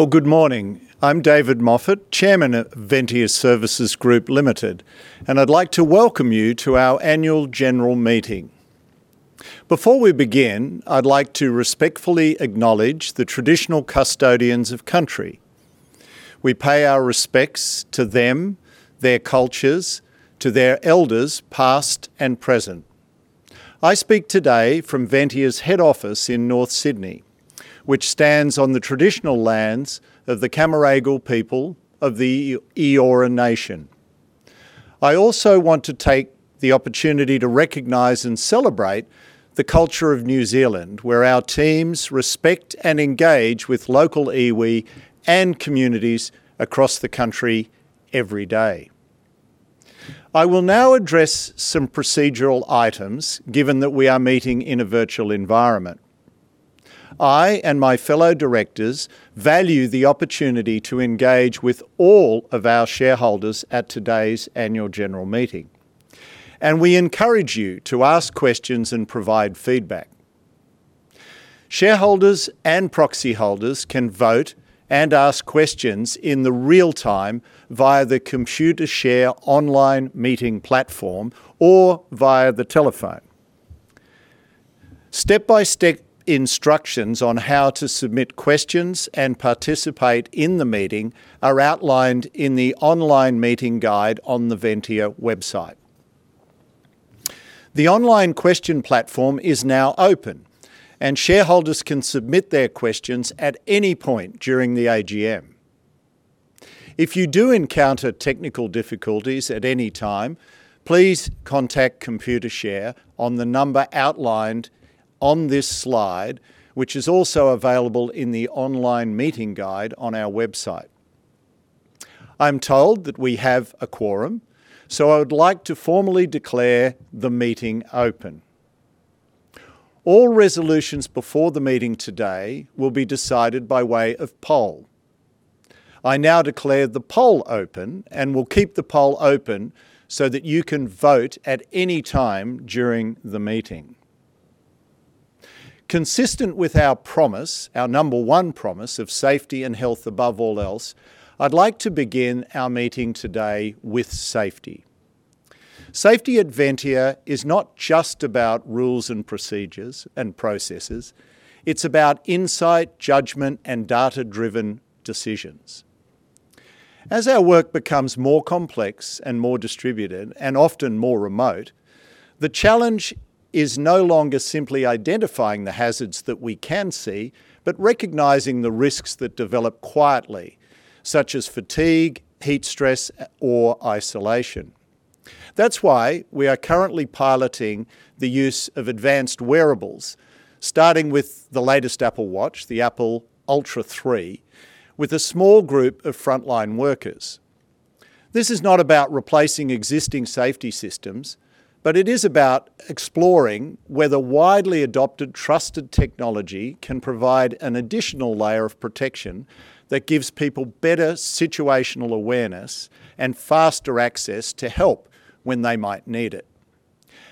Well, good morning. I'm David Moffatt, Chairman of Ventia Services Group Limited. I'd like to welcome you to our Annual General Meeting. Before we begin, I'd like to respectfully acknowledge the traditional custodians of country. We pay our respects to them, their cultures, to their elders, past and present. I speak today from Ventia's Head Office in North Sydney, which stands on the traditional lands of the Cammeraygal people of the Eora Nation. I also want to take the opportunity to recognize and celebrate the culture of New Zealand, where our teams respect and engage with local iwi and communities across the country every day. I will now address some procedural items, given that we are meeting in a virtual environment. I and my fellow Directors value the opportunity to engage with all of our shareholders at today's annual general meeting, and we encourage you to ask questions and provide feedback. Shareholders and proxy holders can vote and ask questions in the real time via the Computershare online meeting platform or via the telephone. Step-by-step instructions on how to submit questions and participate in the meeting are outlined in the online meeting guide on the Ventia website. The online question platform is now open, and shareholders can submit their questions at any point during the AGM. If you do encounter technical difficulties at any time, please contact Computershare on the number outlined on this slide, which is also available in the online meeting guide on our website. I'm told that we have a quorum, so I would like to formally declare the meeting open. All resolutions before the meeting today will be decided by way of poll. I now declare the poll open and will keep the poll open so that you can vote at any time during the meeting. Consistent with our promise, our number one promise, of safety and health above all else, I'd like to begin our meeting today with safety. Safety at Ventia is not just about rules and procedures and processes. It's about insight, judgment, and data-driven decisions. As our work becomes more complex and more distributed, and often more remote, the challenge is no longer simply identifying the hazards that we can see, but recognizing the risks that develop quietly, such as fatigue, heat stress, or isolation. That's why we are currently piloting the use of advanced wearables, starting with the latest Apple Watch, the Apple Ultra 3, with a small group of frontline workers. This is not about replacing existing safety systems, but it is about exploring whether widely adopted trusted technology can provide an additional layer of protection that gives people better situational awareness and faster access to help when they might need it.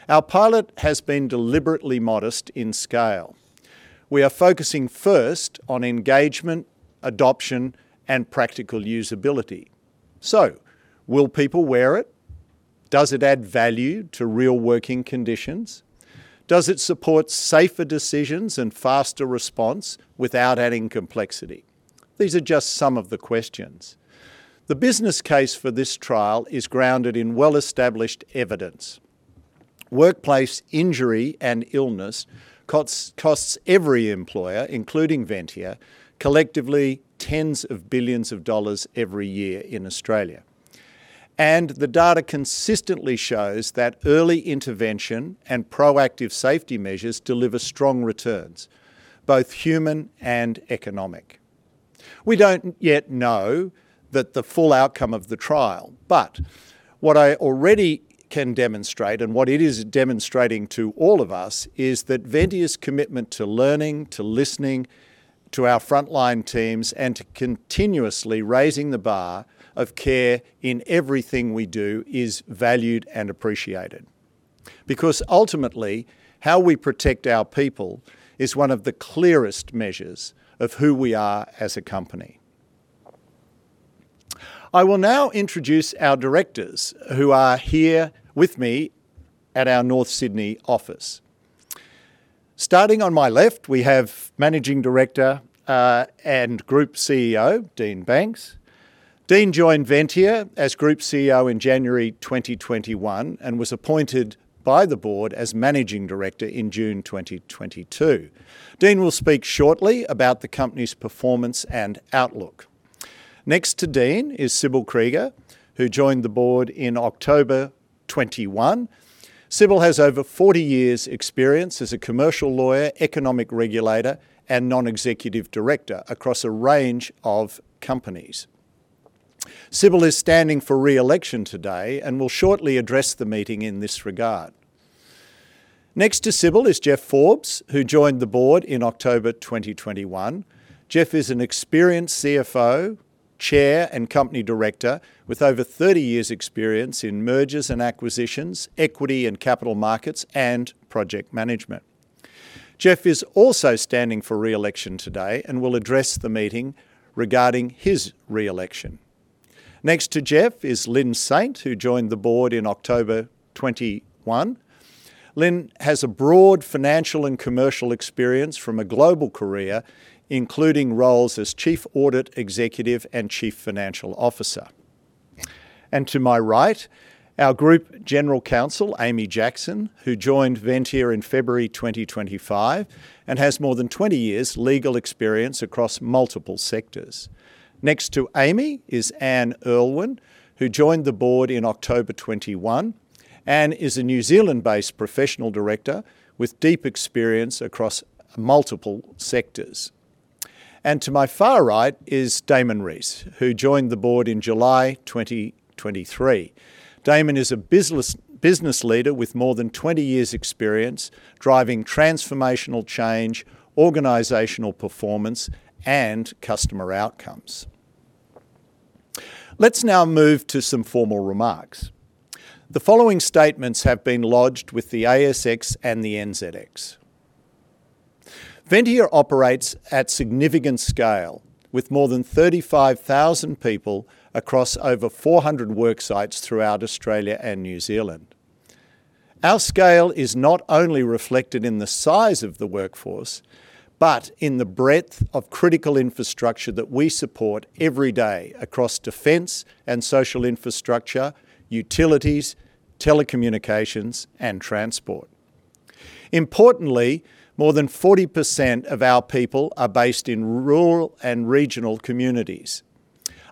Our pilot has been deliberately modest in scale. We are focusing first on engagement, adoption, and practical usability. Will people wear it? Does it add value to real working conditions? Does it support safer decisions and faster response without adding complexity? These are just some of the questions. The business case for this trial is grounded in well-established evidence. Workplace injury and illness costs every employer, including Ventia, collectively tens of billions of dollars every year in Australia. The data consistently shows that early intervention and proactive safety measures deliver strong returns, both human and economic. We don't yet know the full outcome of the trial, what I already can demonstrate, and what it is demonstrating to all of us, is that Ventia's commitment to learning, to listening to our frontline teams, and to continuously raising the bar of care in everything we do is valued and appreciated. Ultimately, how we protect our people is one of the clearest measures of who we are as a company. I will now introduce our Directors who are here with me at our North Sydney office. Starting on my left, we have Managing Director, and Group CEO, Dean Banks. Dean joined Ventia as Group CEO in January 2021 and was appointed by the Board as Managing Director in June 2022. Dean will speak shortly about the company's performance and outlook. Next to Dean is Sibylle Krieger, who joined the Board in October 2021. Sibylle has over 40 years experience as a commercial lawyer, economic regulator, and Non-Executive Director across a range of companies. Sibylle is standing for re-election today and will shortly address the meeting in this regard. Next to Sibylle is Jeff Forbes, who joined the Board in October 2021. Jeff is an experienced CFO, Chair, and Company Director with over 30 years experience in mergers and acquisitions, equity and capital markets, and project management. Jeff is also standing for re-election today and will address the meeting regarding his re-election. Next to Jeff is Lynne Saint, who joined the Board in October 2021. Lynne has a broad financial and commercial experience from a global career, including roles as Chief Audit Executive and Chief Financial Officer. To my right, our Group General Counsel, Amy Jackson, who joined Ventia in February 2025 and has more than 20 years' legal experience across multiple sectors. Next to Amy is Anne Urlwin, who joined the Board in October 2021. Anne is a New Zealand-based professional Director with deep experience across multiple sectors. To my far right is Damon Rees, who joined the Board in July 2023. Damon is a business leader with more than 20 years' experience driving transformational change, organizational performance, and customer outcomes. Let's now move to some formal remarks. The following statements have been lodged with the ASX and the NZX. Ventia operates at significant scale with more than 35,000 people across over 400 work sites throughout Australia and New Zealand. Our scale is not only reflected in the size of the workforce, but in the breadth of critical infrastructure that we support every day across defense and social infrastructure, utilities, telecommunications, and transport. Importantly, more than 40% of our people are based in rural and regional communities,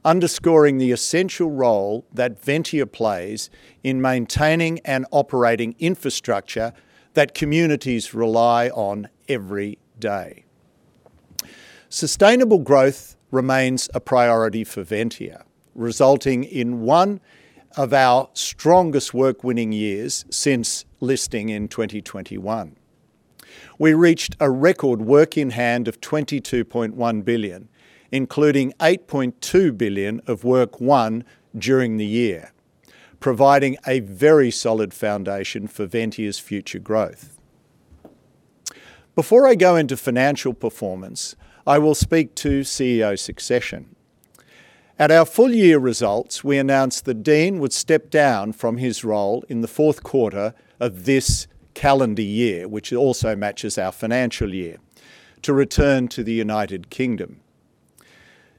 underscoring the essential role that Ventia plays in maintaining and operating infrastructure that communities rely on every day. Sustainable growth remains a priority for Ventia, resulting in one of our strongest work winning years since listing in 2021. We reached a record work in hand of 22.1 billion, including 8.2 billion of work won during the year, providing a very solid foundation for Ventia's future growth. Before I go into financial performance, I will speak to CEO succession. At our full year results, we announced that Dean would step down from his role in the fourth quarter of this calendar year, which also matches our financial year, to return to the United Kingdom.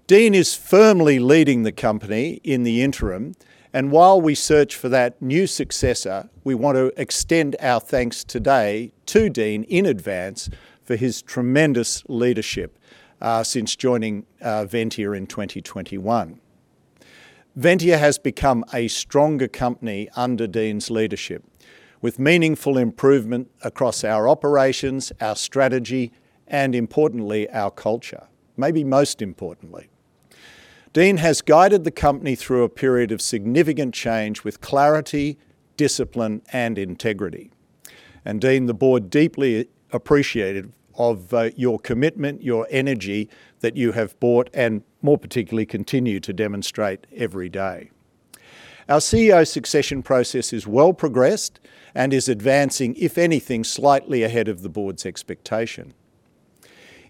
Dean is firmly leading the company in the interim, and while we search for that new successor, we want to extend our thanks today to Dean in advance for his tremendous leadership since joining Ventia in 2021. Ventia has become a stronger company under Dean's leadership, with meaningful improvement across our operations, our strategy, and importantly, our culture. Maybe most importantly Dean has guided the company through a period of significant change with clarity, discipline, and integrity. Dean, the Board deeply appreciated of your commitment, your energy that you have brought, and more particularly, continue to demonstrate every day. Our CEO succession process is well progressed and is advancing, if anything, slightly ahead of the Board's expectation.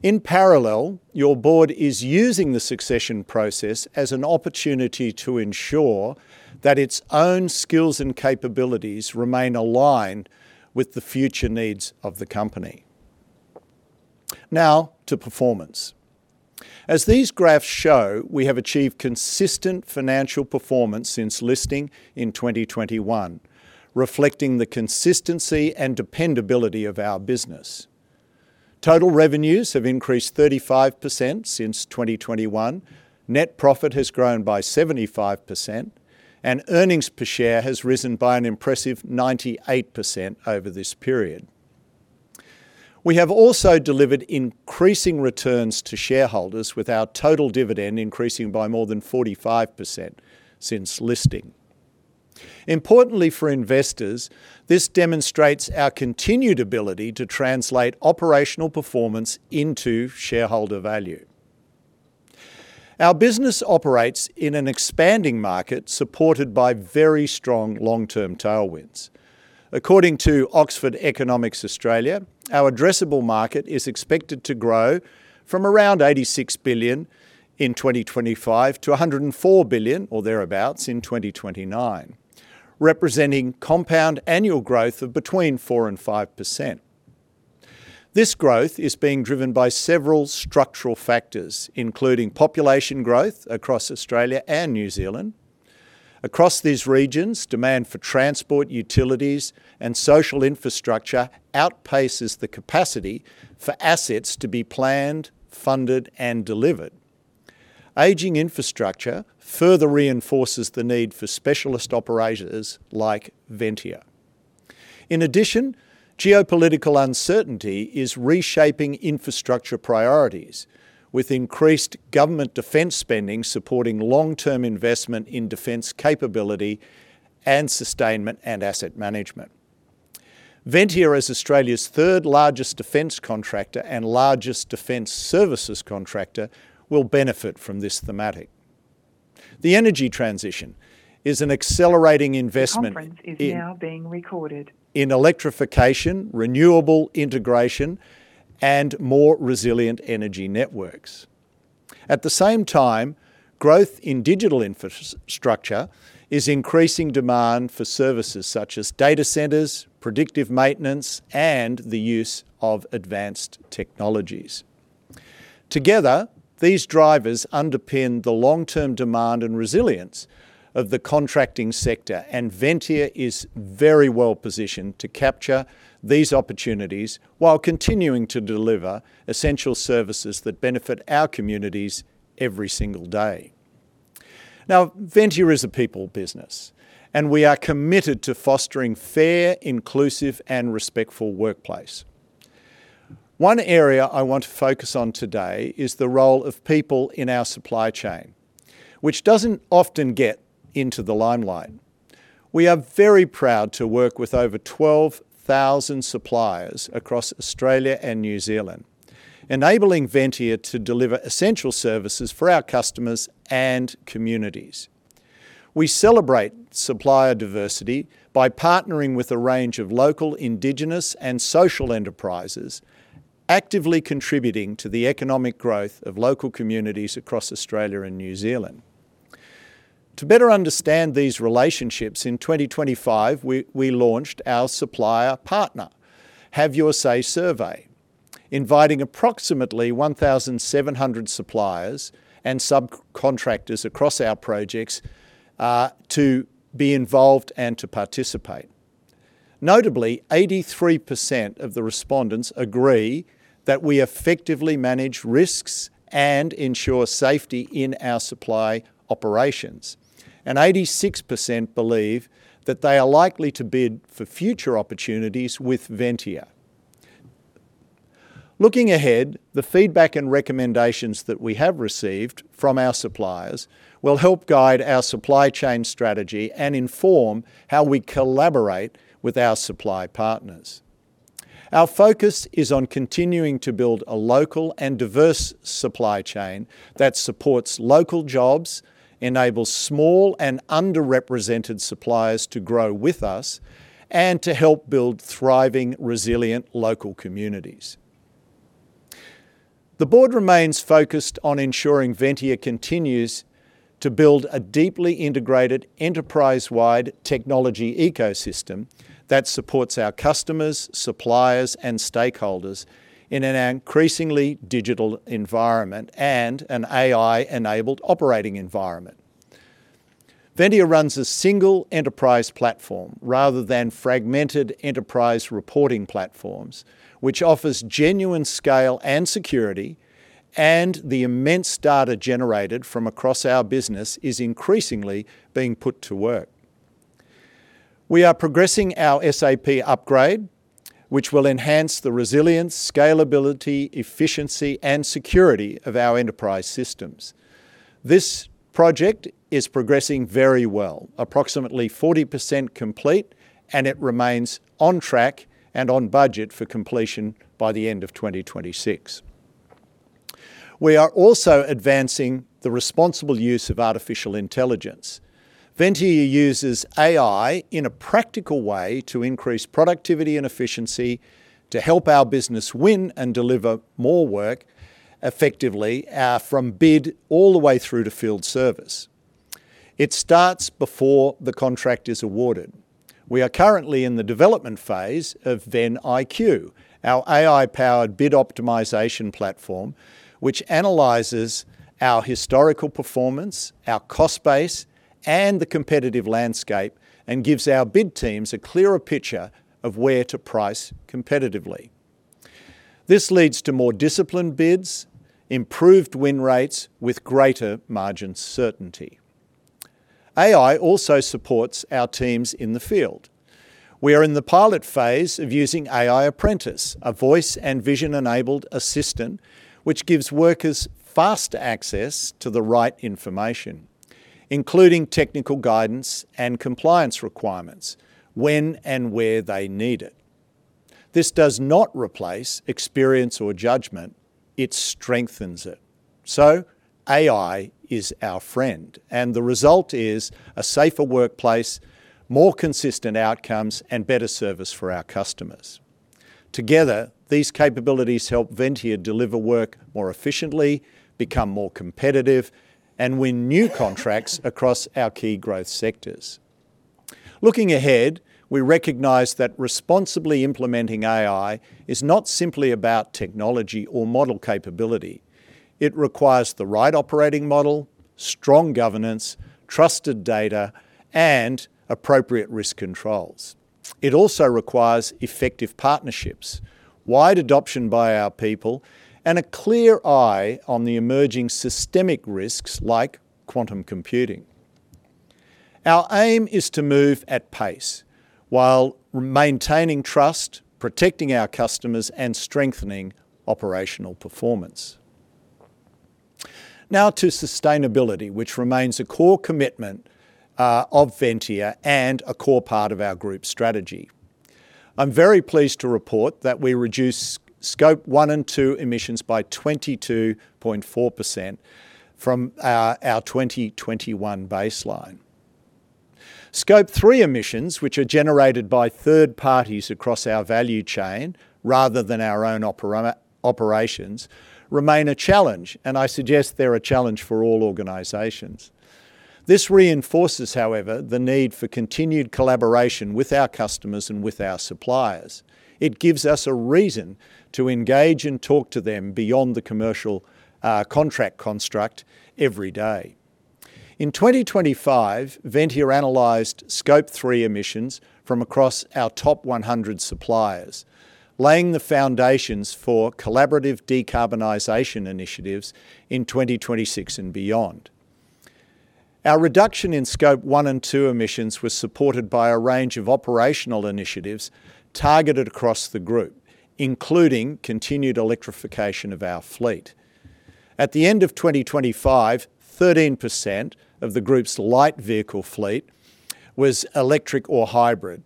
In parallel, your Board is using the succession process as an opportunity to ensure that its own skills and capabilities remain aligned with the future needs of the company. Now to performance. As these graphs show, we have achieved consistent financial performance since listing in 2021, reflecting the consistency and dependability of our business. Total revenues have increased 35% since 2021. Net profit has grown by 75%, and earnings per share has risen by an impressive 98% over this period. We have also delivered increasing returns to shareholders with our total dividend increasing by more than 45% since listing. Importantly for investors, this demonstrates our continued ability to translate operational performance into shareholder value. Our business operates in an expanding market supported by very strong long-term tailwinds. According to Oxford Economics Australia, our addressable market is expected to grow from around 86 billion in 2025 to 104 billion, or thereabouts, in 2029, representing compound annual growth of between 4% and 5%. This growth is being driven by several structural factors, including population growth across Australia and New Zealand. Across these regions, demand for transport, utilities, and social infrastructure outpaces the capacity for assets to be planned, funded, and delivered. Aging infrastructure further reinforces the need for specialist operators like Ventia. In addition, geopolitical uncertainty is reshaping infrastructure priorities, with increased government defense spending supporting long-term investment in defense capability and sustainment and asset management. Ventia as Australia's third largest defense contractor and largest defense services contractor, will benefit from this thematic. The energy transition is an accelerating investment in... The conference is now being recorded ... In electrification, renewable integration, and more resilient energy networks. At the same time, growth in digital infrastructure is increasing demand for services such as data centers, predictive maintenance, and the use of advanced technologies. Together, these drivers underpin the long-term demand and resilience of the contracting sector, and Ventia is very well-positioned to capture these opportunities while continuing to deliver essential services that benefit our communities every single day. Now, Ventia is a people business, and we are committed to fostering fair, inclusive, and respectful workplace. One area I want to focus on today is the role of people in our supply chain, which doesn't often get into the limelight. We are very proud to work with over 12,000 suppliers across Australia and New Zealand, enabling Ventia to deliver essential services for our customers and communities. We celebrate supplier diversity by partnering with a range of local indigenous and social enterprises, actively contributing to the economic growth of local communities across Australia and New Zealand. To better understand these relationships, in 2025, we launched our supplier partner Have Your Say survey, inviting approximately 1,700 suppliers and subcontractors across our projects to be involved and to participate. Notably, 83% of the respondents agree that we effectively manage risks and ensure safety in our supply operations, and 86% believe that they are likely to bid for future opportunities with Ventia. Looking ahead, the feedback and recommendations that we have received from our suppliers will help guide our supply chain strategy and inform how we collaborate with our supply partners. Our focus is on continuing to build a local and diverse supply chain that supports local jobs, enables small and underrepresented suppliers to grow with us, and to help build thriving, resilient local communities. The Board remains focused on ensuring Ventia continues to build a deeply integrated enterprise-wide technology ecosystem that supports our customers, suppliers, and stakeholders in an increasingly digital environment and an AI-enabled operating environment. Ventia runs a single enterprise platform rather than fragmented enterprise reporting platforms, which offers genuine scale and security, and the immense data generated from across our business is increasingly being put to work. We are progressing our SAP upgrade, which will enhance the resilience, scalability, efficiency, and security of our enterprise systems. This project is progressing very well, approximately 40% complete, and it remains on track and on budget for completion by the end of 2026. We are also advancing the responsible use of artificial intelligence. Ventia uses AI in a practical way to increase productivity and efficiency to help our business win and deliver more work effectively from bid all the way through to field service. It starts before the contract is awarded. We are currently in the development phase of VenIQ, our AI-powered bid optimization platform, which analyzes our historical performance, our cost base, and the competitive landscape, and gives our bid teams a clearer picture of where to price competitively. This leads to more disciplined bids, improved win rates with greater margin certainty. AI also supports our teams in the field. We are in the pilot phase of using AI Apprentice, a voice and vision-enabled assistant which gives workers fast access to the right information, including technical guidance and compliance requirements when and where they need it. This does not replace experience or judgment, it strengthens it. AI is our friend, and the result is a safer workplace, more consistent outcomes, and better service for our customers. Together, these capabilities help Ventia deliver work more efficiently, become more competitive, and win new contracts across our key growth sectors. Looking ahead, we recognize that responsibly implementing AI is not simply about technology or model capability. It requires the right operating model, strong governance, trusted data, and appropriate risk controls. It also requires effective partnerships, wide adoption by our people, and a clear eye on the emerging systemic risks like quantum computing. Our aim is to move at pace while maintaining trust, protecting our customers, and strengthening operational performance. Now to sustainability, which remains a core commitment of Ventia and a core part of our group strategy. I'm very pleased to report that we reduced Scope 1 and 2 emissions by 22.4% from our 2021 baseline. Scope 3 emissions, which are generated by third parties across our value chain rather than our own operations, remain a challenge, and I suggest they're a challenge for all organizations. This reinforces, however, the need for continued collaboration with our customers and with our suppliers. It gives us a reason to engage and talk to them beyond the commercial contract construct every day. In 2025, Ventia analyzed Scope 3 emissions from across our top 100 suppliers, laying the foundations for collaborative decarbonization initiatives in 2026 and beyond. Our reduction in Scope 1 and 2 emissions was supported by a range of operational initiatives targeted across the group, including continued electrification of our fleet. At the end of 2025, 13% of the group's light vehicle fleet was electric or hybrid,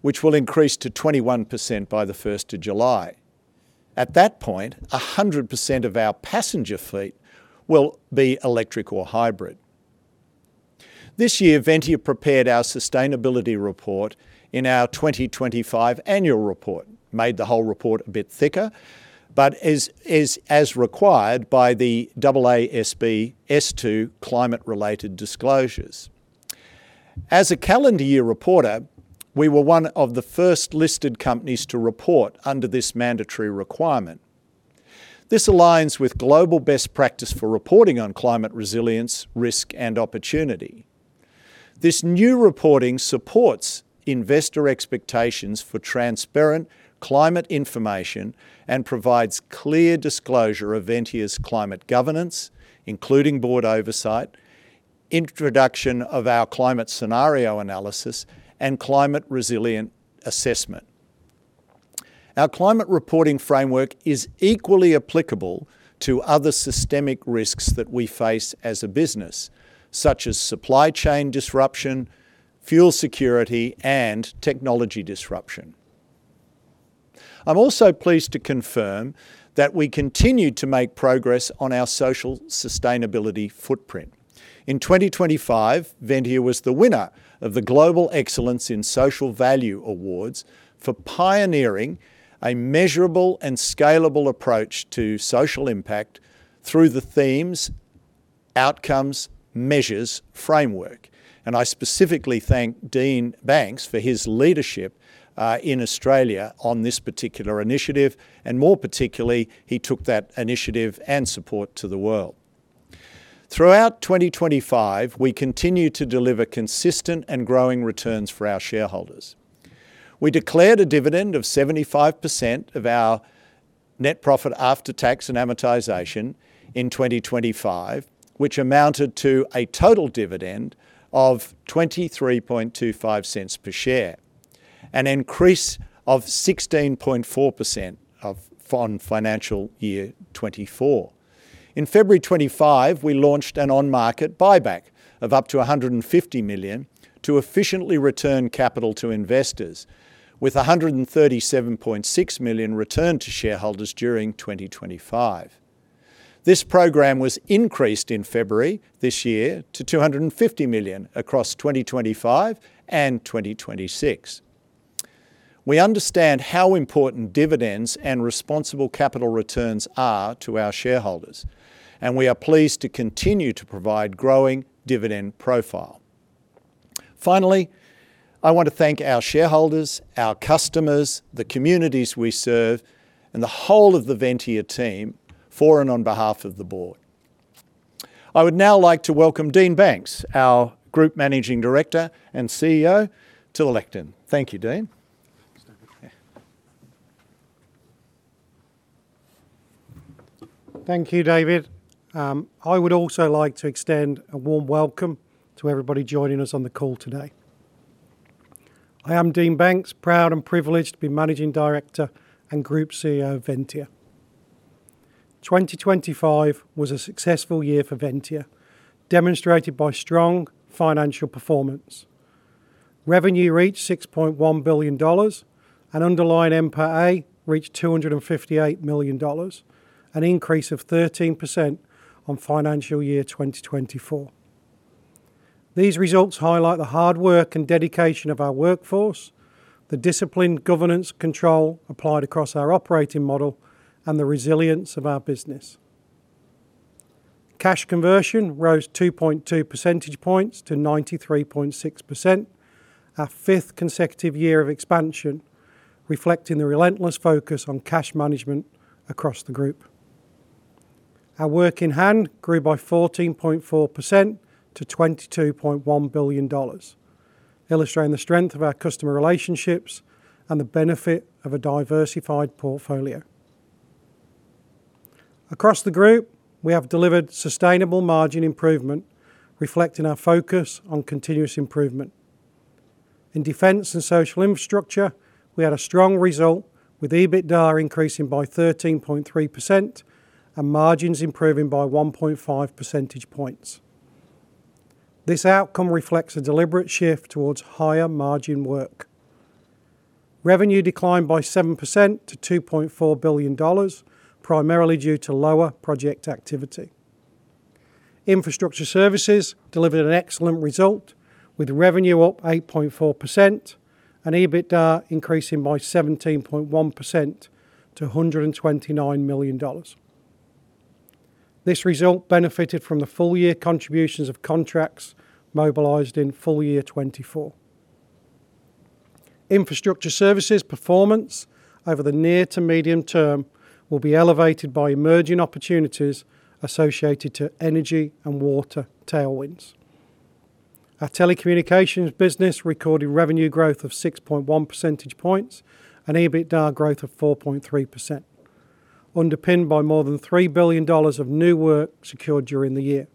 which will increase to 21% by the 1st of July. At that point, 100% of our passenger fleet will be electric or hybrid. This year, Ventia prepared our sustainability report in our 2025 annual report. Made the whole report a bit thicker, but as required by the AASB S2 climate-related disclosures. As a calendar year reporter, we were one of the first listed companies to report under this mandatory requirement. This aligns with global best practice for reporting on climate resilience, risk, and opportunity. This new reporting supports investor expectations for transparent climate information and provides clear disclosure of Ventia's climate governance, including Board oversight, introduction of our climate scenario analysis, and climate resilience assessment. Our climate reporting framework is equally applicable to other systemic risks that we face as a business, such as supply chain disruption, fuel security, and technology disruption. I'm also pleased to confirm that we continued to make progress on our social sustainability footprint. In 2025, Ventia was the winner of the Global Excellence in Social Value Awards for pioneering a measurable and scalable approach to social impact through the Themes, Outcomes, and Measures framework. I specifically thank Dean Banks for his leadership in Australia on this particular initiative, and more particularly, he took that initiative and support to the world. Throughout 2025, we continued to deliver consistent and growing returns for our shareholders. We declared a dividend of 75% of our net profit after tax and amortization in 2025, which amounted to a total dividend of 0.2325 per share, an increase of 16.4% on financial year 2024. In February 2025, we launched an on-market buyback of up to 150 million to efficiently return capital to investors, with 137.6 million returned to shareholders during 2025. This program was increased in February this year to 250 million across 2025 and 2026. We understand how important dividends and responsible capital returns are to our shareholders, we are pleased to continue to provide growing dividend profile. Finally, I want to thank our shareholders, our customers, the communities we serve, and the whole of the Ventia team, for and on behalf of the Board. I would now like to welcome Dean Banks, our Group Managing Director and CEO, to the lectern. Thank you, Dean. Thank you, David. Yeah. Thank you, David. I would also like to extend a warm welcome to everybody joining us on the call today. I am Dean Banks, proud and privileged to be Managing Director and Group CEO of Ventia. 2025 was a successful year for Ventia, demonstrated by strong financial performance. Revenue reached 6.1 billion dollars, and underlying NPAT reached 258 million dollars, an increase of 13% on financial year 2024. These results highlight the hard work and dedication of our workforce, the disciplined governance control applied across our operating model, and the resilience of our business. Cash conversion rose 2.2 percentage points to 93.6%, our fifth consecutive year of expansion, reflecting the relentless focus on cash management across the group. Our work in hand grew by 14.4% to 22.1 billion dollars, illustrating the strength of our customer relationships and the benefit of a diversified portfolio. Across the group, we have delivered sustainable margin improvement, reflecting our focus on continuous improvement. In defense and social infrastructure, we had a strong result, with EBITDA increasing by 13.3% and margins improving by 1.5 percentage points. This outcome reflects a deliberate shift towards higher margin work. Revenue declined by 7% to 2.4 billion dollars, primarily due to lower project activity. Infrastructure services delivered an excellent result, with revenue up 8.4% and EBITDA increasing by 17.1% to 129 million dollars. This result benefited from the full year contributions of contracts mobilized in Full Year 2024. Infrastructure services performance over the near to medium term will be elevated by emerging opportunities associated to energy and water tailwinds. Our telecommunications business recorded revenue growth of 6.1 percentage points and EBITDA growth of 4.3%, underpinned by more than 3 billion dollars of new work secured during the year.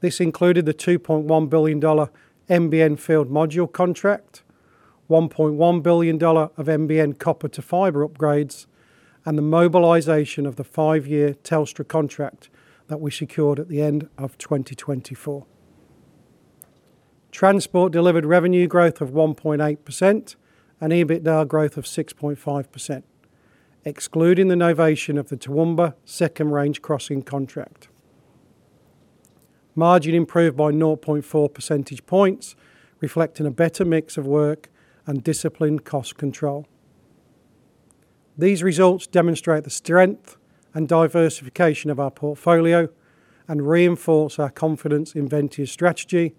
This included the 2.1 billion dollar NBN Field Module contract, 1.1 billion dollar of NBN copper to fiber upgrades, and the mobilization of the five-year Telstra contract that we secured at the end of 2024. Transport delivered revenue growth of 1.8% and EBITDA growth of 6.5%, excluding the novation of the Toowoomba Second Range Crossing contract. Margin improved by 0.4 percentage points, reflecting a better mix of work and disciplined cost control. These results demonstrate the strength and diversification of our portfolio and reinforce our confidence in Ventia's strategy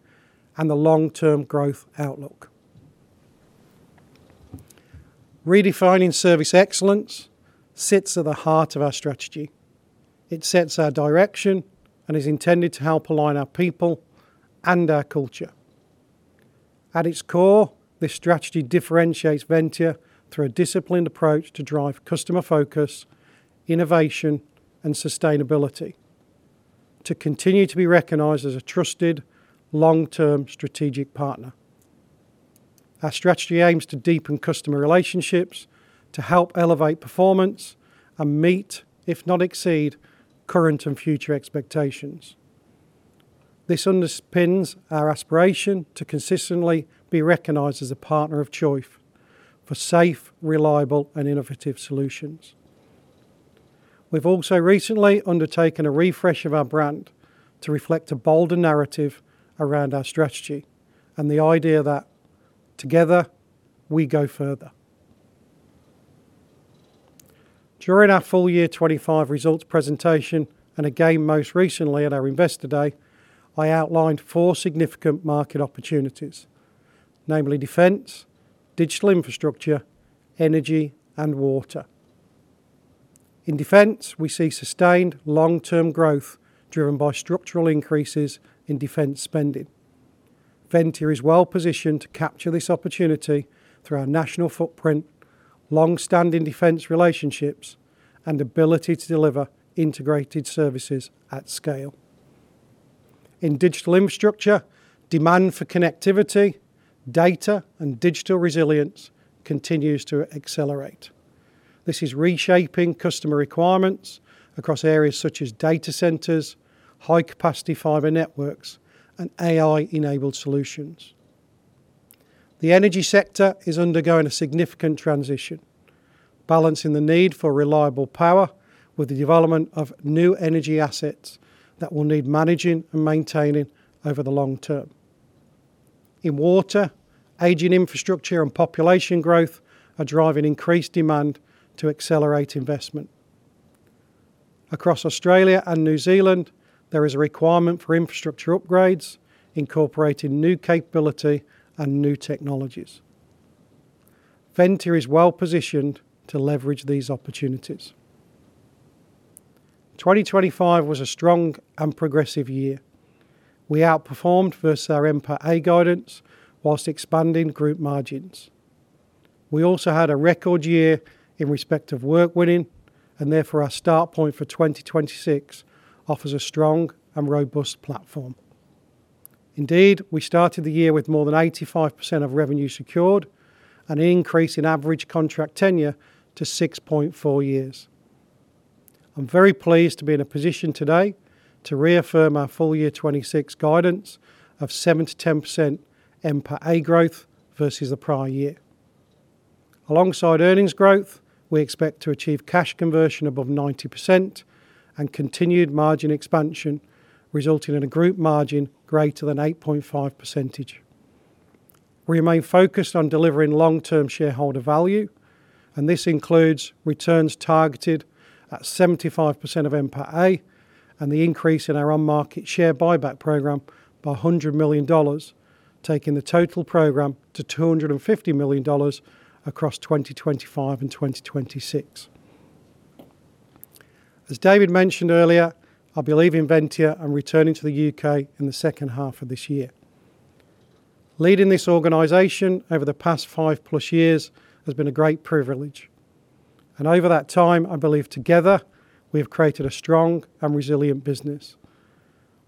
and the long-term growth outlook. Redefining service excellence sits at the heart of our strategy. It sets our direction and is intended to help align our people and our culture. At its core, this strategy differentiates Ventia through a disciplined approach to drive customer focus, innovation, and sustainability to continue to be recognized as a trusted long-term strategic partner. Our strategy aims to deepen customer relationships to help elevate performance and meet, if not exceed, current and future expectations. This underpins our aspiration to consistently be recognized as a partner of choice for safe, reliable and innovative solutions. We've also recently undertaken a refresh of our brand to reflect a bolder narrative around our strategy and the idea that together we go further. During our Full Year 2025 Results Presentation, and again most recently at our Investor Day, I outlined four significant market opportunities, namely defense, digital infrastructure, energy, and water. In defense, we see sustained long-term growth driven by structural increases in defense spending. Ventia is well positioned to capture this opportunity through our national footprint, long-standing defense relationships, and ability to deliver integrated services at scale. In digital infrastructure, demand for connectivity, data, and digital resilience continues to accelerate. This is reshaping customer requirements across areas such as data centers, high capacity fiber networks, and AI-enabled solutions. The energy sector is undergoing a significant transition, balancing the need for reliable power with the development of new energy assets that will need managing and maintaining over the long term. In water, aging infrastructure and population growth are driving increased demand to accelerate investment. Across Australia and New Zealand, there is a requirement for infrastructure upgrades incorporating new capability and new technologies. Ventia is well positioned to leverage these opportunities. 2025 was a strong and progressive year. We outperformed versus our NPATA guidance whilst expanding group margins. We also had a record year in respect of work winning and therefore our start point for 2026 offers a strong and robust platform. Indeed, we started the year with more than 85% of revenue secured, an increase in average contract tenure to 6.4 years. I'm very pleased to be in a position today to reaffirm our full year 2026 guidance of 7%-10% NPATA growth versus the prior year. Alongside earnings growth, we expect to achieve cash conversion above 90% and continued margin expansion, resulting in a group margin greater than 8.5%. We remain focused on delivering long-term shareholder value, and this includes returns targeted at 75% of NPAT A and the increase in our on-market share buyback program by 100 million dollars, taking the total program to 250 million dollars across 2025 and 2026. As David mentioned earlier, I'll be leaving Ventia and returning to the U.K. in the second half of this year. Leading this organization over the past 5+ years has been a great privilege, and over that time, I believe together we have created a strong and resilient business,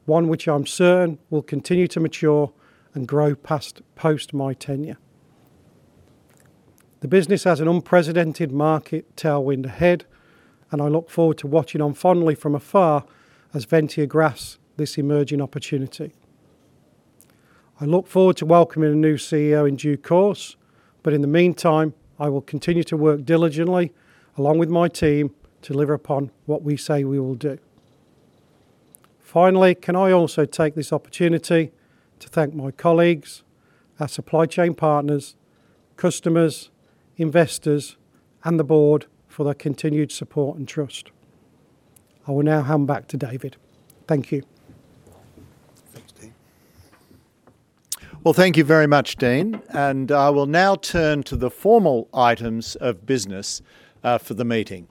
one which I'm certain will continue to mature and grow post my tenure. The business has an unprecedented market tailwind ahead, and I look forward to watching on fondly from afar as Ventia grasps this emerging opportunity. I look forward to welcoming a new CEO in due course, but in the meantime, I will continue to work diligently along with my team to deliver upon what we say we will do. Finally, can I also take this opportunity to thank my colleagues, our supply chain partners, customers, investors, and the Board for their continued support and trust. I will now hand back to David. Thank you. Thanks, Dean. Well, thank you very much, Dean, I will now turn to the formal items of business for the meeting.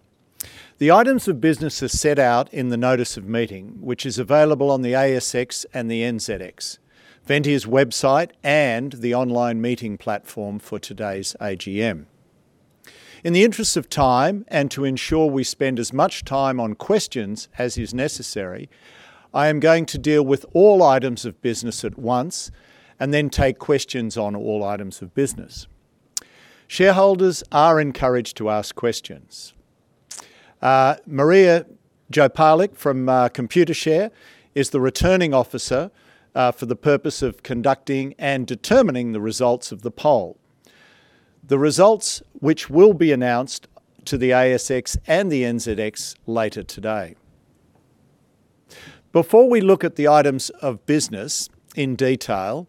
The items of business are set out in the notice of meeting, which is available on the ASX and the NZX, Ventia's website, and the online meeting platform for today's AGM. In the interest of time, and to ensure we spend as much time on questions as is necessary, I am going to deal with all items of business at once, and then take questions on all items of business. Shareholders are encouraged to ask questions. Maria Jopalik from Computershare is the Returning Officer for the purpose of conducting and determining the results of the poll. The results which will be announced to the ASX and the NZX later today. Before we look at the items of business in detail,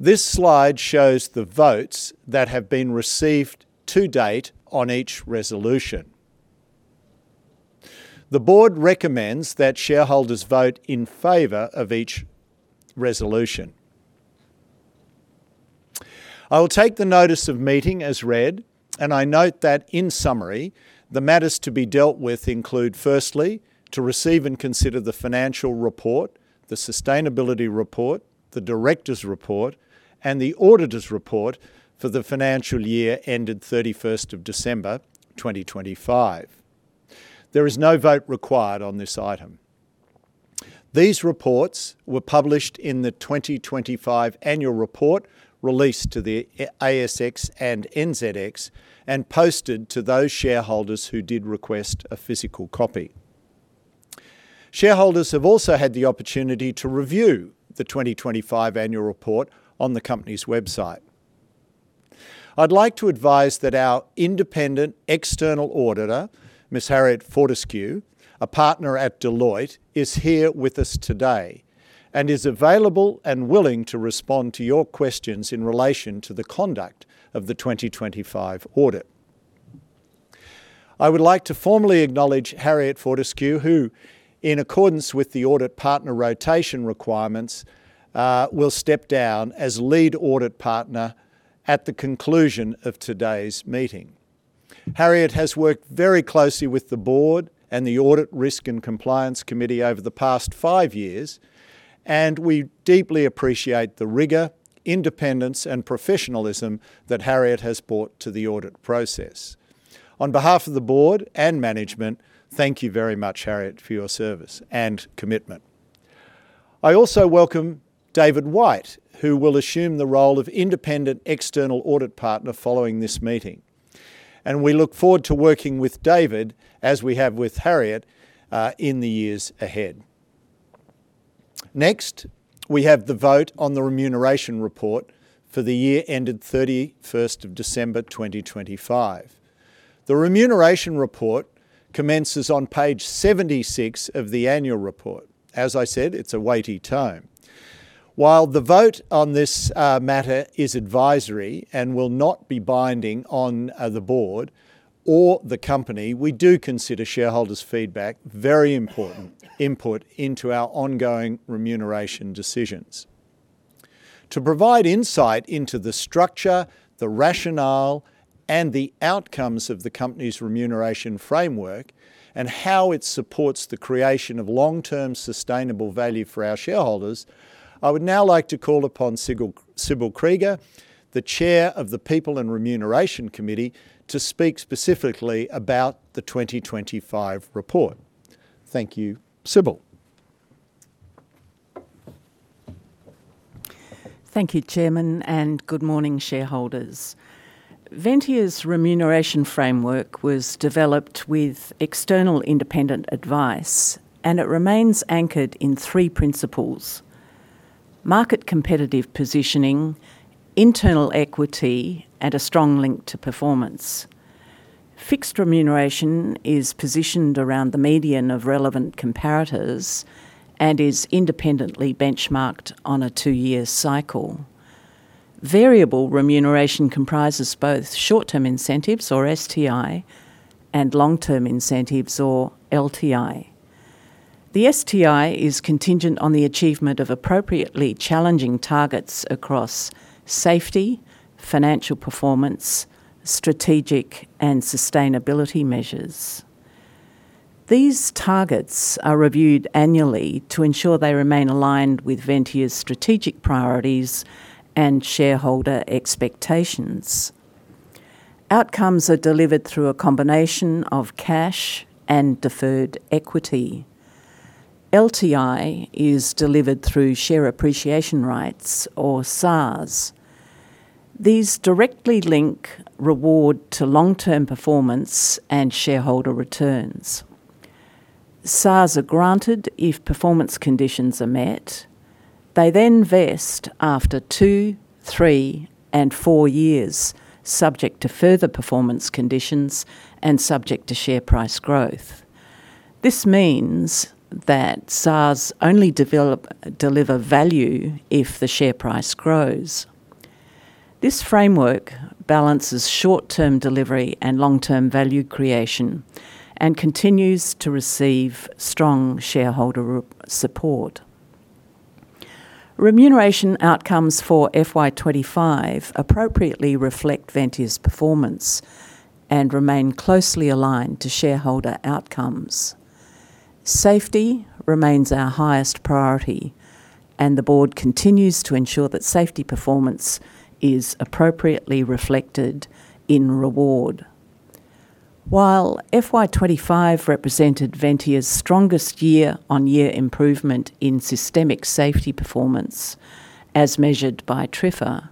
this slide shows the votes that have been received to date on each resolution. The Board recommends that shareholders vote in favor of each resolution. I will take the notice of meeting as read. I note that, in summary, the matters to be dealt with include, firstly, to receive and consider the financial report, the sustainability report, the directors' report, and the auditor's report for the financial year ended 31st of December 2025. There is no vote required on this item. These reports were published in the 2025 annual report released to the ASX and NZX, posted to those shareholders who did request a physical copy. Shareholders have also had the opportunity to review the 2025 annual report on the company's website. I'd like to advise that our Independent External Auditor, Ms. Harriet Fortescue, a partner at Deloitte, is here with us today, and is available and willing to respond to your questions in relation to the conduct of the 2025 audit. I would like to formally acknowledge Harriet Fortescue, who, in accordance with the audit partner rotation requirements, will step down as lead audit partner at the conclusion of today's meeting. Harriet has worked very closely with the Board and the Audit, Risk and Compliance Committee over the past five years. We deeply appreciate the rigor, independence, and professionalism that Harriet has brought to the audit process. On behalf of the Board and management, thank you very much, Harriet, for your service and commitment. I also welcome David White, who will assume the role of Independent External Audit Partner following this meeting, and we look forward to working with David, as we have with Harriet, in the years ahead. Next, we have the vote on the remuneration report for the year ended 31st of December 2025. The remuneration report commences on page 76 of the annual report. As I said, it's a weighty tome. While the vote on this matter is advisory and will not be binding on the Board or the company, we do consider shareholders' feedback very important input into our ongoing remuneration decisions. To provide insight into the structure, the rationale, and the outcomes of the company's remuneration framework, and how it supports the creation of long-term sustainable value for our shareholders, I would now like to call upon Sibylle Krieger, the Chair of the People and Remuneration Committee, to speak specifically about the 2025 report. Thank you. Sibylle? Thank you, Chairman, and good morning, shareholders. Ventia's remuneration framework was developed with external independent advice, and it remains anchored in three principles: market competitive positioning, internal equity, and a strong link to performance. Fixed remuneration is positioned around the median of relevant comparators and is independently benchmarked on a two-year cycle. Variable remuneration comprises both short-term incentives, or STI, and long-term incentives, or LTI. The STI is contingent on the achievement of appropriately challenging targets across safety, financial performance, strategic, and sustainability measures. These targets are reviewed annually to ensure they remain aligned with Ventia's strategic priorities and shareholder expectations. Outcomes are delivered through a combination of cash and deferred equity. LTI is delivered through share appreciation rights or SARs. These directly link reward to long-term performance and shareholder returns. SARs are granted if performance conditions are met. They then vest after two, three, and four years, subject to further performance conditions and subject to share price growth. This means that SARs only deliver value if the share price grows. This framework balances short-term delivery and long-term value creation and continues to receive strong shareholder support. Remuneration outcomes for FY 2025 appropriately reflect Ventia's performance and remain closely aligned to shareholder outcomes. Safety remains our highest priority, and the Board continues to ensure that safety performance is appropriately reflected in reward. While FY 2025 represented Ventia's strongest year-on-year improvement in systemic safety performance as measured by TRIFR,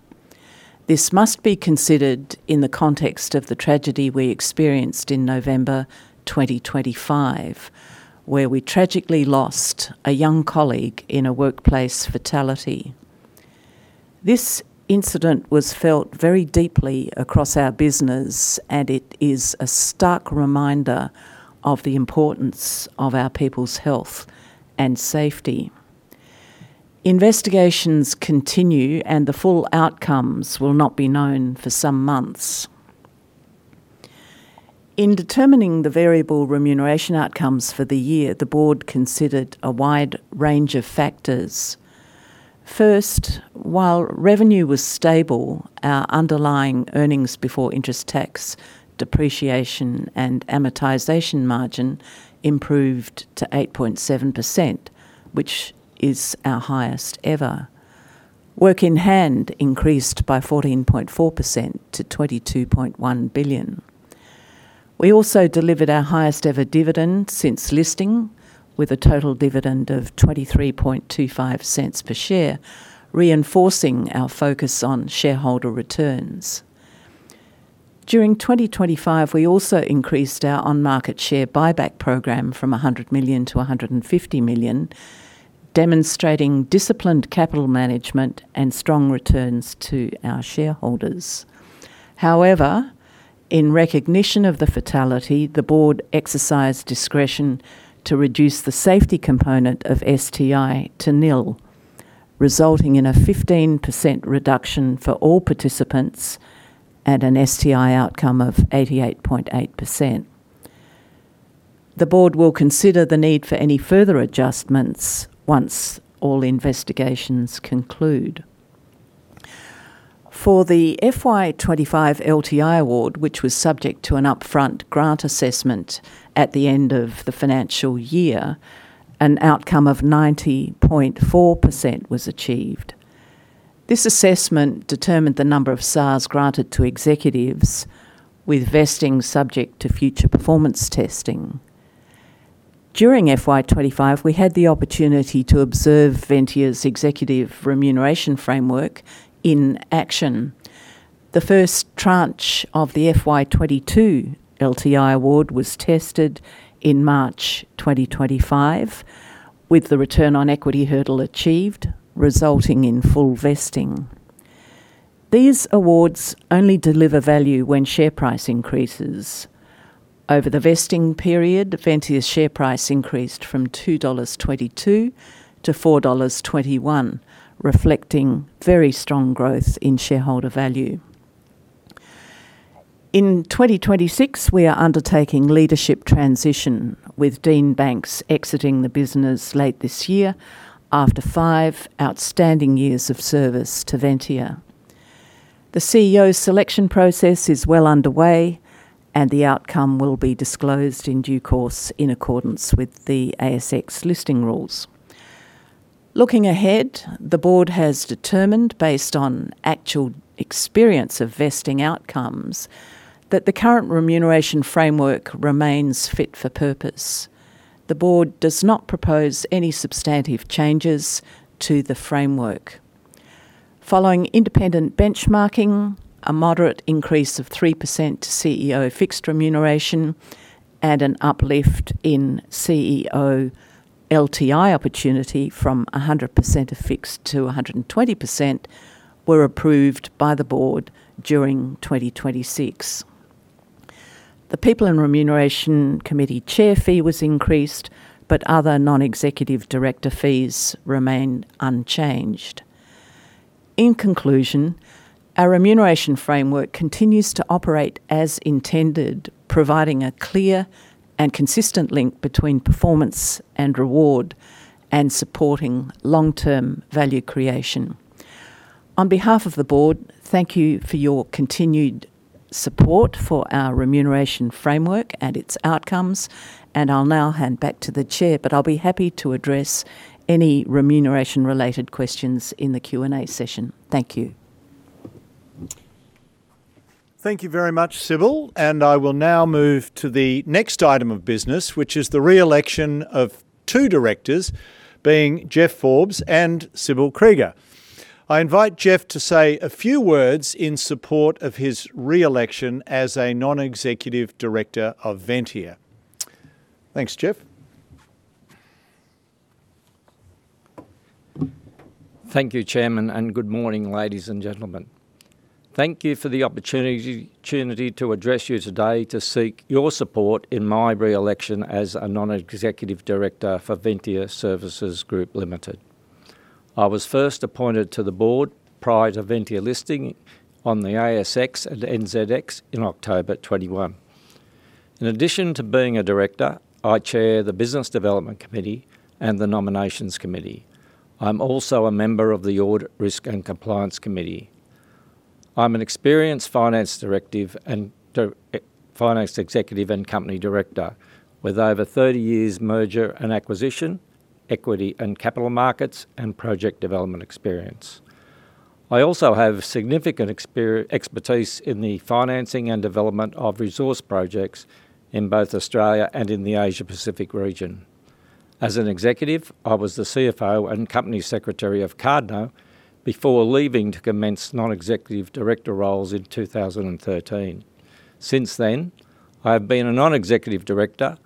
this must be considered in the context of the tragedy we experienced in November 2025, where we tragically lost a young colleague in a workplace fatality. This incident was felt very deeply across our business, and it is a stark reminder of the importance of our people's health and safety. Investigations continue. The full outcomes will not be known for some months. In determining the variable remuneration outcomes for the year, the Board considered a wide range of factors. First, while revenue was stable, our underlying EBITDA margin improved to 8.7%, which is our highest ever. Work in hand increased by 14.4% to 22.1 billion. We also delivered our highest ever dividend since listing with a total dividend of 0.2325 per share, reinforcing our focus on shareholder returns. During 2025, we also increased our on-market share buyback program from 100 million to 150 million, demonstrating disciplined capital management and strong returns to our shareholders. In recognition of the fatality, the Board exercised discretion to reduce the safety component of STI to nil, resulting in a 15% reduction for all participants and an STI outcome of 88.8%. The Board will consider the need for any further adjustments once all investigations conclude. For the FY 2025 LTI award, which was subject to an upfront grant assessment at the end of the financial year, an outcome of 90.4% was achieved. This assessment determined the number of SARs granted to executives with vesting subject to future performance testing. During FY 2025, we had the opportunity to observe Ventia's executive remuneration framework in action. The first tranche of the FY 2022 LTI award was tested in March 2025 with the return on equity hurdle achieved, resulting in full vesting. These awards only deliver value when share price increases. Over the vesting period, Ventia's share price increased from 2.22 dollars to 4.21 dollars, reflecting very strong growth in shareholder value. In 2026, we are undertaking leadership transition with Dean Banks exiting the business late this year after five outstanding years of service to Ventia. The CEO selection process is well underway, and the outcome will be disclosed in due course in accordance with the ASX listing rules. Looking ahead, the Board has determined, based on actual experience of vesting outcomes, that the current remuneration framework remains fit for purpose. The Board does not propose any substantive changes to the framework. Following independent benchmarking, a moderate increase of 3% to CEO fixed remuneration and an uplift in CEO LTI opportunity from 100% of fixed to 120% were approved by the Board during 2026. The People and Remuneration Committee Chair fee was increased, but other Non-Executive Director fees remained unchanged. In conclusion, our remuneration framework continues to operate as intended, providing a clear and consistent link between performance and reward and supporting long-term value creation. On behalf of the Board, thank you for your continued support for our remuneration framework and its outcomes, and I'll now hand back to the Chair, but I'll be happy to address any remuneration-related questions in the Q&A session. Thank you. Thank you very much, Sibylle. I will now move to the next item of business, which is the re-election of two Directors, being Jeff Forbes and Sibylle Krieger. I invite Jeff to say a few words in support of his re-election as a Non-Executive Director of Ventia. Thanks, Jeff. Thank you, Chairman. Good morning, ladies and gentlemen. Thank you for the opportunity to address you today to seek your support in my re-election as a Non-Executive Director for Ventia Services Group Limited. I was first appointed to the Board prior to Ventia listing on the ASX and NZX in October 2021. In addition to being a Director, I chair the Business Development Committee and the Nominations Committee. I'm also a member of the Audit, Risk and Compliance Committee. I'm an experienced Finance Executive and Company Director with over 30 years merger and acquisition, equity and capital markets, and project development experience. I also have significant expertise in the financing and development of resource projects in both Australia and in the Asia Pacific region. As an executive, I was the CFO and Company Secretary of Cardno before leaving to commence Non-Executive Director roles in 2013. Since then, I have been a Non-Executive Director,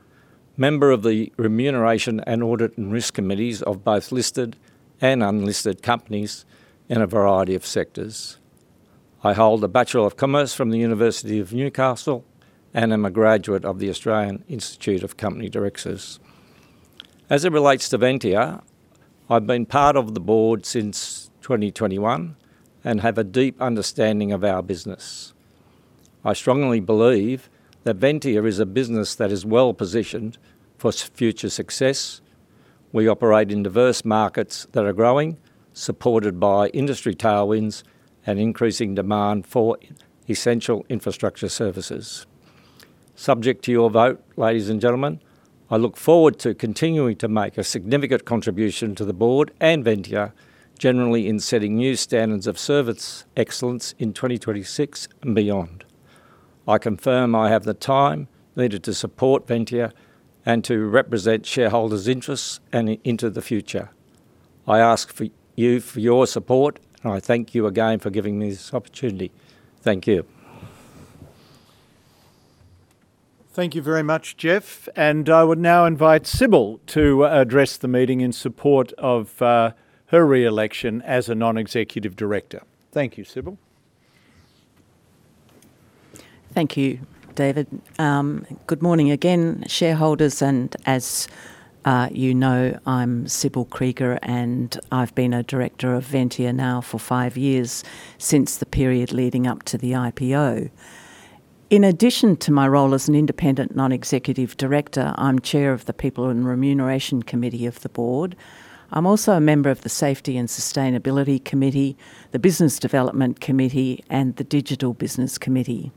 member of the Remuneration and Audit and Risk Committees of both listed and unlisted companies in a variety of sectors. I hold a Bachelor of Commerce from the University of Newcastle and am a graduate of the Australian Institute of Company Directors. As it relates to Ventia, I've been part of the Board since 2021 and have a deep understanding of our business. I strongly believe that Ventia is a business that is well-positioned for future success. We operate in diverse markets that are growing, supported by industry tailwinds and increasing demand for essential infrastructure services. Subject to your vote, ladies and gentlemen, I look forward to continuing to make a significant contribution to the Board and Ventia, generally in setting new standards of service excellence in 2026 and beyond. I confirm I have the time needed to support Ventia and to represent shareholders' interests and into the future. I ask you for your support, and I thank you again for giving me this opportunity. Thank you. Thank you very much, Jeff, and I would now invite Sibylle to address the meeting in support of her re-election as a Non-Executive Director. Thank you, Sibylle. Thank you, David. Good morning again, shareholders. As you know, I'm Sibylle Krieger, and I've been a Director of Ventia now for five years, since the period leading up to the IPO. In addition to my role as an Independent Non-Executive Director, I'm Chair of the People and Remuneration Committee of the Board. I'm also a member of the Safety and Sustainability Committee, the Business Development Committee, and the Digital Committee.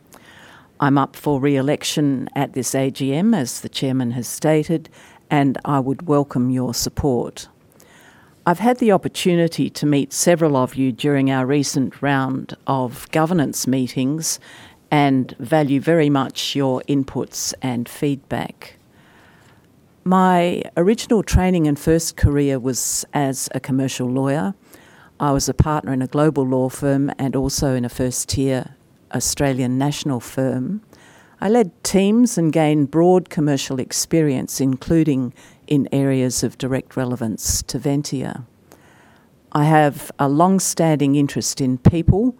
I'm up for re-election at this AGM, as the Chairman has stated. I would welcome your support. I've had the opportunity to meet several of you during our recent round of governance meetings and value very much your inputs and feedback. My original training and first career was as a Commercial Lawyer. I was a partner in a global law firm and also in a first-tier Australian national firm. I led teams and gained broad commercial experience, including in areas of direct relevance to Ventia. I have a long-standing interest in people,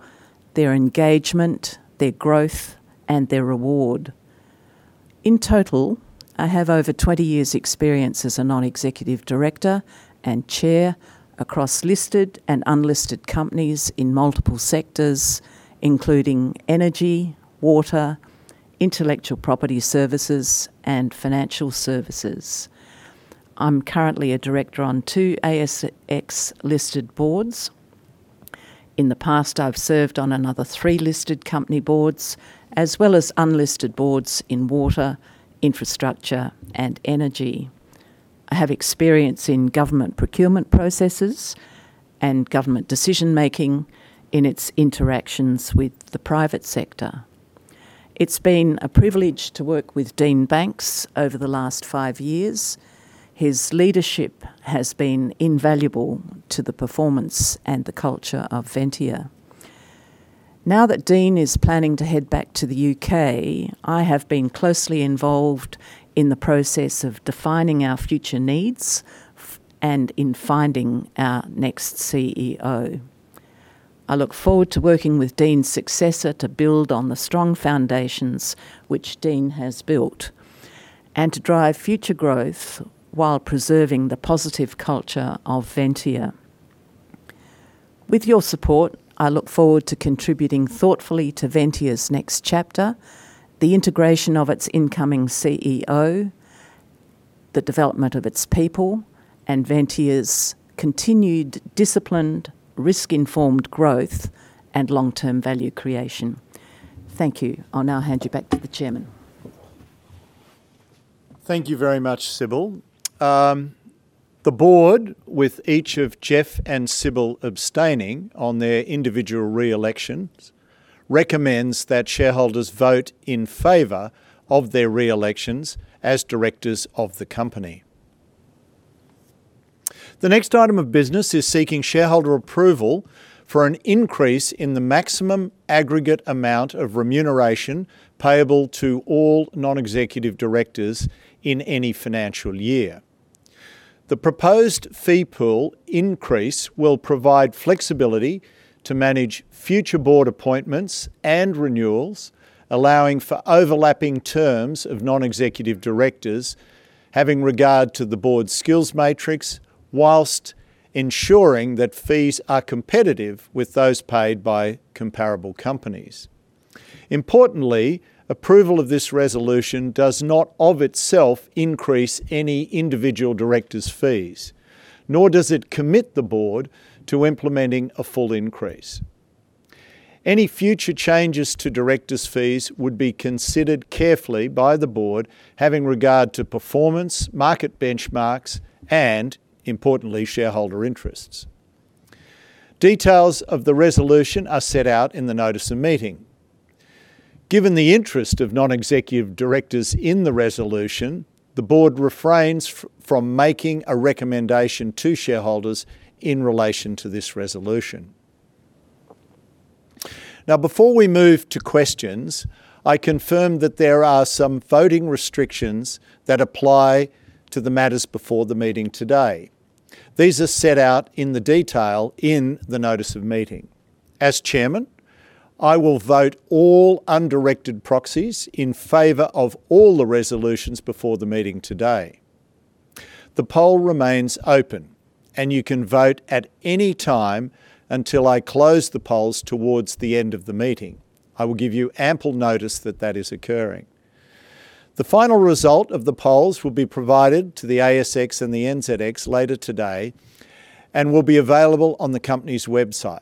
their engagement, their growth, and their reward. In total, I have over 20 years' experience as a Non-Executive Director and Chair across listed and unlisted companies in multiple sectors, including energy, water, intellectual property services, and financial services. I'm currently a Director on two ASX-listed Boards. In the past, I've served on another three listed company Boards, as well as unlisted Boards in water, infrastructure, and energy. I have experience in government procurement processes and government decision-making in its interactions with the private sector. It's been a privilege to work with Dean Banks over the last five years. His leadership has been invaluable to the performance and the culture of Ventia. Now that Dean is planning to head back to the U.K., I have been closely involved in the process of defining our future needs and in finding our next CEO. I look forward to working with Dean's successor to build on the strong foundations which Dean has built and to drive future growth while preserving the positive culture of Ventia. With your support, I look forward to contributing thoughtfully to Ventia's next chapter, the integration of its incoming CEO, the development of its people, and Ventia's continued disciplined, risk-informed growth and long-term value creation. Thank you. I'll now hand you back to the Chairman. Thank you very much, Sibylle. The Board, with each of Jeff and Sibylle abstaining on their individual reelections, recommends that shareholders vote in favor of their re-elections as Directors of the company. The next item of business is seeking shareholder approval for an increase in the maximum aggregate amount of remuneration payable to all Non-Executive Directors in any financial year. The proposed fee pool increase will provide flexibility to manage future Board appointments and renewals, allowing for overlapping terms of Non-Executive Directors, having regard to the Board's skills matrix, while ensuring that fees are competitive with those paid by comparable companies. Importantly, approval of this resolution does not of itself increase any individual Director's fees, nor does it commit the Board to implementing a full increase. Any future changes to directors' fees would be considered carefully by the Board, having regard to performance, market benchmarks, and, importantly, shareholder interests. Details of the resolution are set out in the notice of meeting. Given the interest of Non-Executive Directors in the resolution, the Board refrains from making a recommendation to shareholders in relation to this resolution. Before we move to questions, I confirm that there are some voting restrictions that apply to the matters before the meeting today. These are set out in the detail in the notice of meeting. As Chairman, I will vote all undirected proxies in favor of all the resolutions before the meeting today. The poll remains open, and you can vote at any time until I close the polls towards the end of the meeting. I will give you ample notice that that is occurring. The final result of the polls will be provided to the ASX and the NZX later today and will be available on the company's website.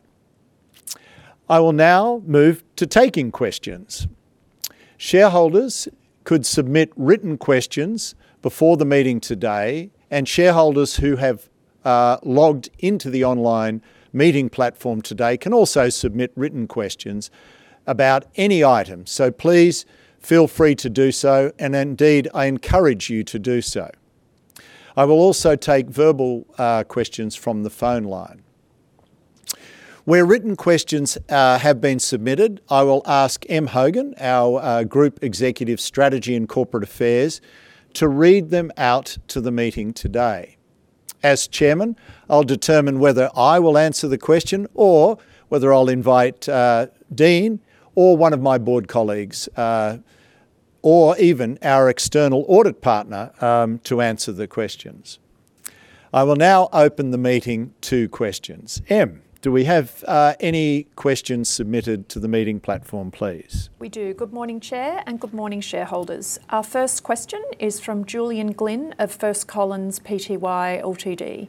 I will now move to taking questions. Shareholders could submit written questions before the meeting today. Shareholders who have logged into the online meeting platform today can also submit written questions about any item. Please feel free to do so. Indeed, I encourage you to do so. I will also take verbal questions from the phone line. Where written questions have been submitted, I will ask Em Hogan, our Group Executive, Strategy and Corporate Affairs, to read them out to the meeting today. As Chairman, I'll determine whether I will answer the question or whether I'll invite Dean or one of my Board colleagues, or even our external audit partner to answer the questions. I will now open the meeting to questions. Em, do we have any questions submitted to the meeting platform, please? We do. Good morning, Chair, and good morning, shareholders. Our first question is from Julian Glynn of First Collins Pty Ltd.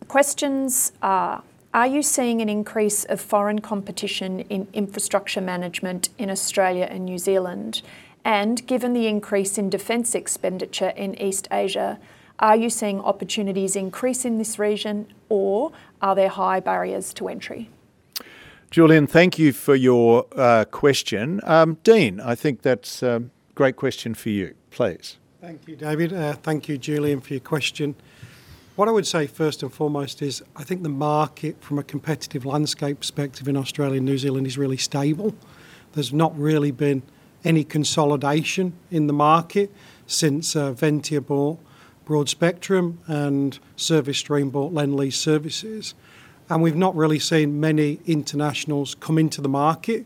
The questions are you seeing an increase of foreign competition in infrastructure management in Australia and New Zealand? Given the increase in defense expenditure in East Asia, are you seeing opportunities increase in this region, or are there high barriers to entry? Julian, thank you for your question. Dean, I think that's a great question for you. Please. Thank you, David. Thank you, Julian, for your question. What I would say first and foremost is I think the market from a competitive landscape perspective in Australia and New Zealand is really stable. There's not really been any consolidation in the market since Ventia bought Broadspectrum and Service Stream bought Lendlease Services. We've not really seen many internationals come into the market.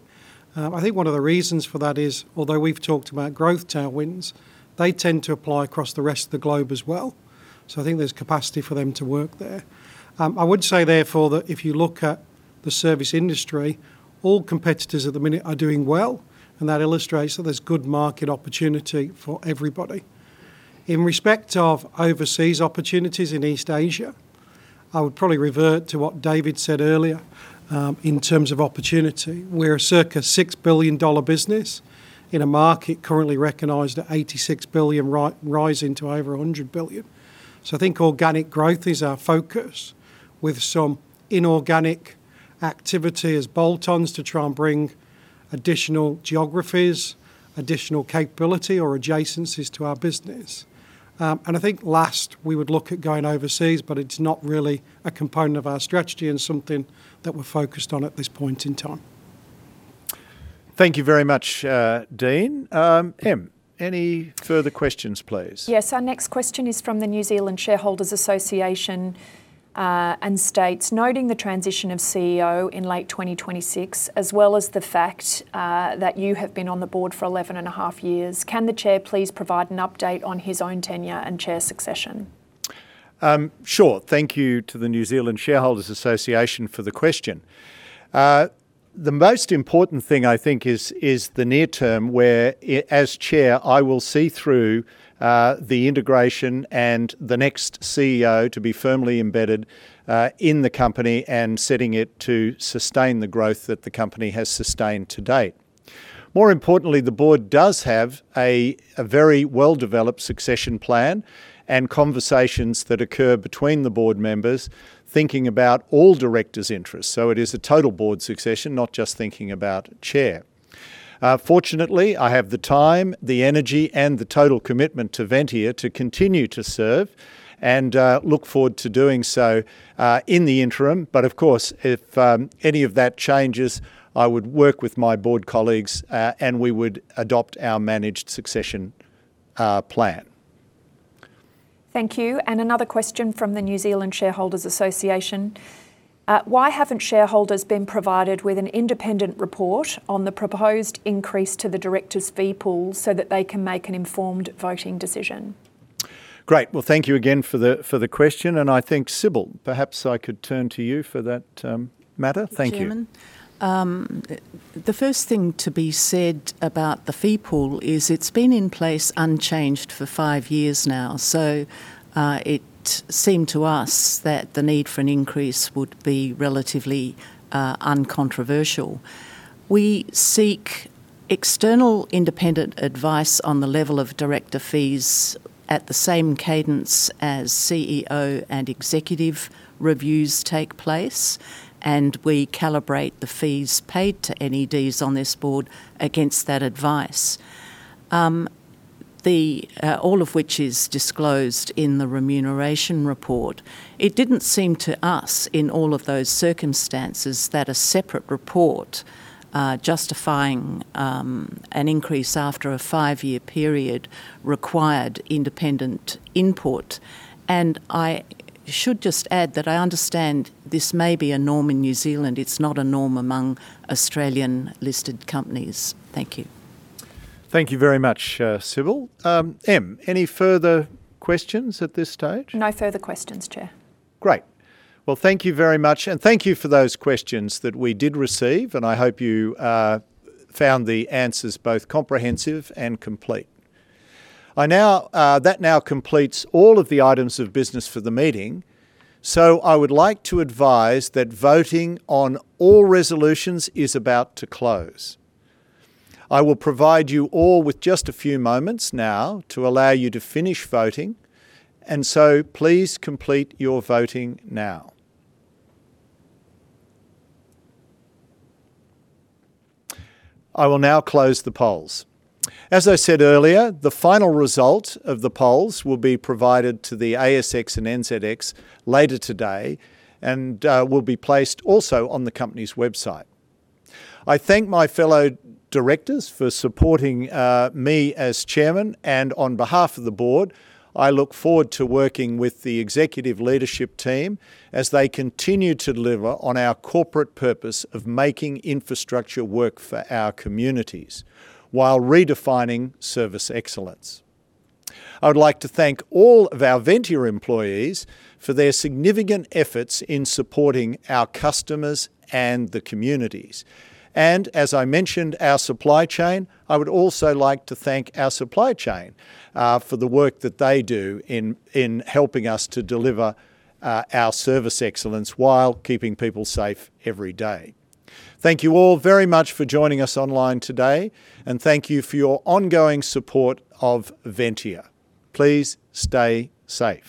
I think one of the reasons for that is, although we've talked about growth tailwinds, they tend to apply across the rest of the globe as well. I think there's capacity for them to work there. I would say, therefore, that if you look at the service industry, all competitors at the minute are doing well, and that illustrates that there's good market opportunity for everybody. In respect of overseas opportunities in East Asia, I would probably revert to what David said earlier in terms of opportunity. We're a circa 6 billion dollar business in a market currently recognized at 86 billion, rising to over 100 billion. I think organic growth is our focus with some inorganic activity as bolt-ons to try and bring additional geographies, additional capability, or adjacencies to our business. I think last we would look at going overseas, but it's not really a component of our strategy and something that we're focused on at this point in time. Thank you very much, Dean. Em, any further questions, please? Yes. Our next question is from the New Zealand Shareholders Association and states, noting the transition of CEO in late 2026, as well as the fact that you have been on the Board for 11 and a half years, can the Chair please provide an update on his own tenure and Chair succession? Sure. Thank you to the New Zealand Shareholders Association for the question. The most important thing, I think, is the near term, where as Chair, I will see through the integration and the next CEO to be firmly embedded in the company and setting it to sustain the growth that the company has sustained to date. More importantly, the Board does have a very well-developed succession plan and conversations that occur between the Board members thinking about all Directors' interests. It is a total Board succession, not just thinking about Chair. Fortunately, I have the time, the energy, and the total commitment to Ventia to continue to serve and look forward to doing so in the interim. Of course, if any of that changes, I would work with my Board colleagues, and we would adopt our managed succession plan. Thank you. Another question from the New Zealand Shareholders Association. Why haven't shareholders been provided with an independent report on the proposed increase to the Directors' fee pool so that they can make an informed voting decision? Great. Thank you again for the question, and I think Sibylle, perhaps I could turn to you for that matter. Thank you. The first thing to be said about the fee pool is it's been in place unchanged for five years now, so it seemed to us that the need for an increase would be relatively uncontroversial. We seek external independent advice on the level of Director fees at the same cadence as CEO and executive reviews take place, and we calibrate the fees paid to NEDs on this Board against that advice, all of which is disclosed in the remuneration report. It didn't seem to us, in all of those circumstances, that a separate report justifying an increase after a five-year period required independent input. I should just add that I understand this may be a norm in New Zealand. It's not a norm among Australian-listed companies. Thank you. Thank you very much, Sibylle. Any further questions at this stage? No further questions, Chair. Great. Thank you very much, and thank you for those questions that we did receive, and I hope you found the answers both comprehensive and complete. That now completes all of the items of business for the meeting. I would like to advise that voting on all resolutions is about to close. I will provide you all with just a few moments now to allow you to finish voting. Please complete your voting now. I will now close the polls. As I said earlier, the final result of the polls will be provided to the ASX and NZX later today and will be placed also on the company's website. I thank my fellow Directors for supporting me as Chairman. On behalf of the Board, I look forward to working with the executive leadership team as they continue to deliver on our corporate purpose of making infrastructure work for our communities while redefining service excellence. I would like to thank all of our Ventia employees for their significant efforts in supporting our customers and the communities. As I mentioned, our supply chain, I would also like to thank our supply chain for the work that they do in helping us to deliver our service excellence while keeping people safe every day. Thank you all very much for joining us online today, and thank you for your ongoing support of Ventia. Please stay safe